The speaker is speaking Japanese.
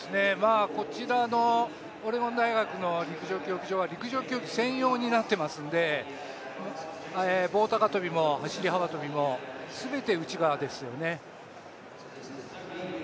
こちらのオレゴン大学の陸上競技場は陸上競技専用になっていますので棒高跳も走高跳もすべて内側ですよね。